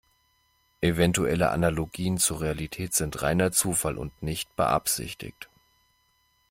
Eventuelle Analogien zur Realität sind reiner Zufall und nicht beabsichtigt.